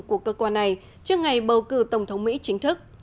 của cơ quan này trước ngày bầu cử tổng thống mỹ chính thức